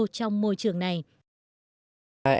trong những lễ hội này